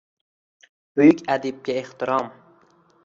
Buyuk adibga ehtirom